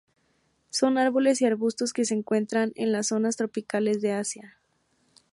Son árboles y arbustos que se encuentran en las zonas tropicales de Asia.